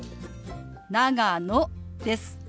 「長野」です。